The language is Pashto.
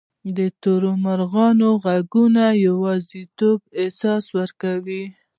د تورو مرغانو ږغونه د یوازیتوب احساس ورکوي.